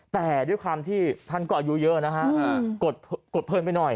แต่ด้วยความที่ท่านก็อายุเยอะนะฮะกดเพลินไปหน่อย